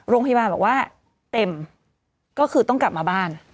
โรงพยาบาลบอกว่าเต็มก็คือต้องกลับมาบ้าน